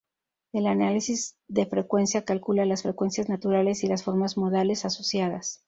El análisis de frecuencia calcula las frecuencias naturales y las formas modales asociadas.